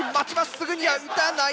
すぐには打たない。